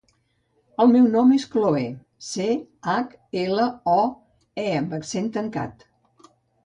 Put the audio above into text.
El meu nom és Chloé: ce, hac, ela, o, e amb accent tancat.